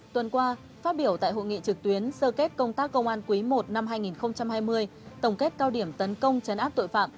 tuần qua phát biểu tại hội nghị trực tuyến sơ kết công tác công an quý i năm hai nghìn hai mươi tổng kết cao điểm tấn công chấn áp tội phạm